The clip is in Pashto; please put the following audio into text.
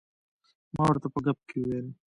ما ورته په ګپ کې وویل.